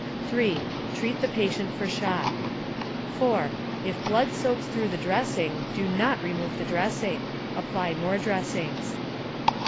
3. Treat the patient for shock (see page 62). 4. If blood soaks through the dressing, do not remove the dressing. Apply more dressings.